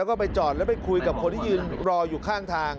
ก็ไปจอดไปคุยกับคนที่รอยอยู่ข้างทาง